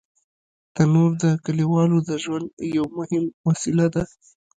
تنور د کلیوالو د ژوند یو مهم وسیله ده